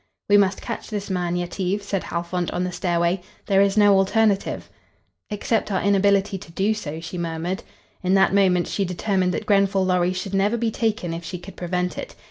"We must catch this man, Yetive," said Halfont, on the stairway. "There is no alternative." "Except our inability to do so," she murmured. In that moment she determined that Grenfall Lorry should never be taken if she could prevent it.